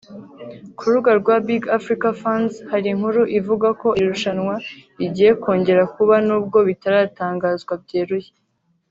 Ku rubuga rwa Big Africa Fans hari inkuru ivuga ko iri rushanwa rigiye kongera kuba nubwo bitaratangazwa byeruye